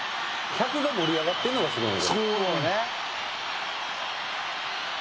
「客が盛り上がってるのがすごいね」